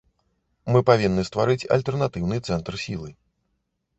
Мы павінны стварыць альтэрнатыўны цэнтр сілы.